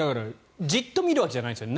じっと見るわけじゃないんですよね。